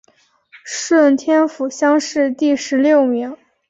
顺天府乡试第十六名。